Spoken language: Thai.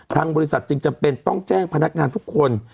ทางบริษัทจึงจำเป็นต้องแจ้งพนักงานทุกคน